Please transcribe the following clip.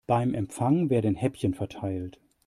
Beim Empfang werden Häppchen verteilt.